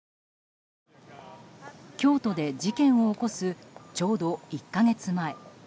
京都で事件を起こすちょうど１か月前。